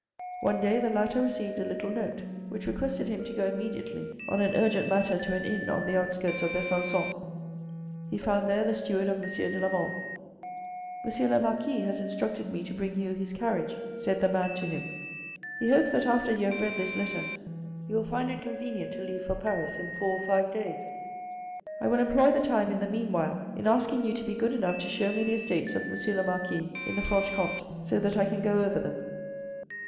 One day the latter received a little note which requested him to go immediately on an urgent matter to an inn on the outskirts of Besancon. He found there the steward of M. de la Mle. " M. le Marquis has instructed me to bring you his carriage," 14 210 THE RED AND THE BLACK said the man to him. " He hopes that after you have read this letter you will find it convenient to leave for Paris in four or five days. I will employ the time in the meanwhile in asking you to be good enough to show me the estates of M. le Marquis in the Franche Comte, so that I can go over them."